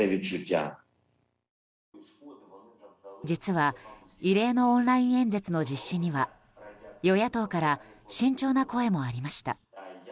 実は、異例のオンライン演説の実施には与野党から慎重な声もありました。